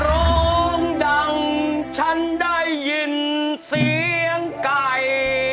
ร้องดังฉันได้ยินเสียงไก่